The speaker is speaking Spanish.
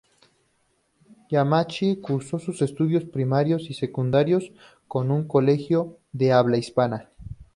Yamauchi cursó sus estudios primarios y secundarios en un colegio de habla hispana.